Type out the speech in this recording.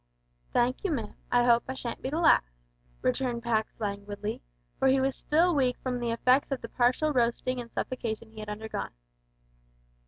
"Thank you, ma'am. I hope I shan't be the last," returned Pax languidly, for he was still weak from the effects of the partial roasting and suffocation he had undergone.